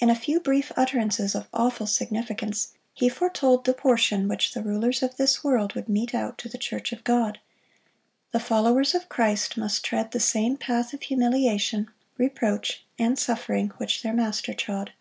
In a few brief utterances of awful significance, He foretold the portion which the rulers of this world would mete out to the church of God.(57) The followers of Christ must tread the same path of humiliation, reproach, and suffering which their Master trod.